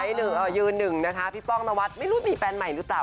ยืนหนึ่งนะคะพี่ป้องนวัดไม่รู้มีแฟนใหม่หรือเปล่า